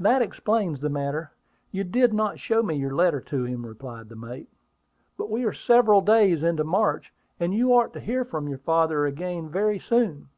"That explains the matter. You did not show me your letter to him," replied the mate. "But we are several days into March, and you ought to hear from your father again very soon."